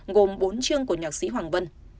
ngồm bốn chương của nhạc sĩ hoàng vân